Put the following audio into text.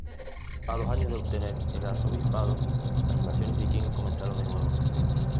A dos años de obtener el arzobispado, las invasiones vikingas comenzaron de nuevo.